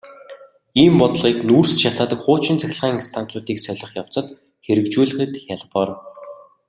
Ийм бодлогыг нүүрс шатаадаг хуучин цахилгаан станцуудыг солих явцад хэрэгжүүлэхэд хялбар.